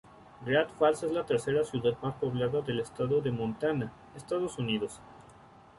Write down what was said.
Great Falls es la tercera ciudad más poblada del estado de Montana, Estados Unidos.